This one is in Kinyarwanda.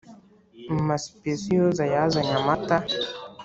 mama sipesiyoza yazanye amata,…